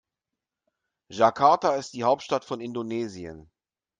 Jakarta ist die Hauptstadt von Indonesien.